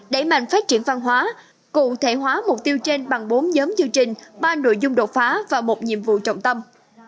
đẩy mạnh phát triển văn hóa cụ thể hóa mục tiêu trên bằng bốn nhóm chương trình ba nội dung đột phá và một nhiệm vụ trọng tâm